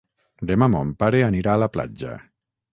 Demà mon pare anirà a la platja.